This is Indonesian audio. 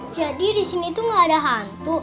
jadi disini tuh gak ada hantu